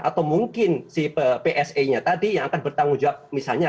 atau mungkin si pse nya tadi yang akan bertanggung jawab misalnya